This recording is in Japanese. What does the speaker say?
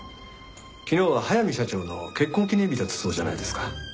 昨日は速水社長の結婚記念日だったそうじゃないですか。